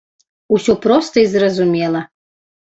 Усё проста і зразумела!